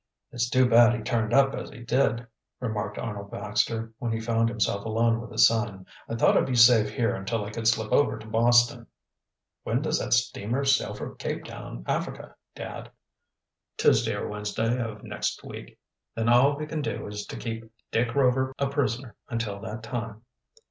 "It's too bad he turned up as he did," remarked Arnold Baxter, when he found himself alone with his son. "I thought I'd be safe here until I could slip over to Boston." "When does that steamer sail for Cape Town, Africa, dad?" "Tuesday or Wednesday of next week." "Then all we can do is to keep Dick Rover a prisoner until that time."